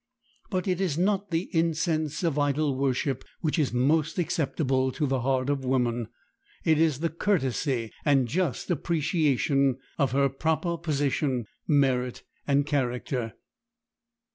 But it is not the incense of idol worship which is most acceptable to the heart of woman; it is the courtesy, and just appreciation of her proper position, merit, and character.